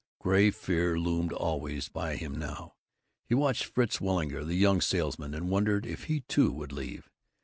Gray fear loomed always by him now. He watched Fritz Weilinger, the young salesman, and wondered if he too would leave.